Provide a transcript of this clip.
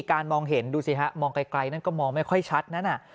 มองเห็นดูสิฮะมองไกลนั่นก็มองไม่ค่อยชัดนั้น